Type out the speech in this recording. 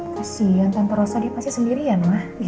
kasian tante rosa dia pasti sendirian mah